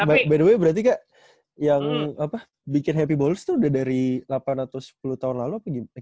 by the way berarti kak yang bikin happy balls itu udah dari delapan atau sepuluh tahun lalu apa gini